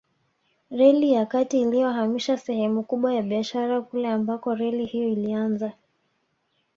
Reli ya kati iliyohamisha sehemu kubwa ya biashara kule ambako reli hiyo ilianza